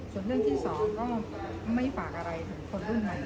ส่วนเรื่องที่สองก็ไม่ฝากอะไรถึงคนรุ่นใหม่